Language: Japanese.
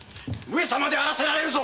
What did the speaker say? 上様であらせられるぞ！